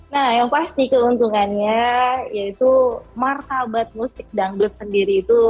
nah yang pasti keuntungannya yaitu martabat musik dangdut sendiri itu